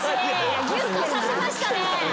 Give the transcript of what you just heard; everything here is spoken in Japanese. ギュッとさせましたね。